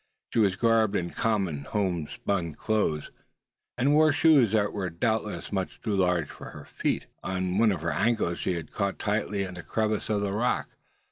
She was garbed in common homespun clothes, and wore shoes that were doubtless much too large for her feet. One of her ankles had been caught tightly in the crevice of the rock.